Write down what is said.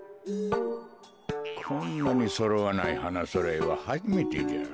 こんなにそろわない花そろえははじめてじゃ。